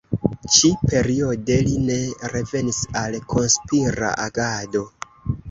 Ĉi-periode li ne revenis al konspira agado.